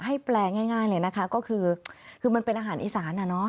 ให้แปลง่ายง่ายเลยนะคะก็คือคือมันเป็นอาหารอีสานอ่ะเนอะ